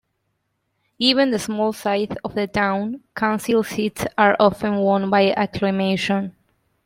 Given the small size of the town, council seats are often won by acclamation.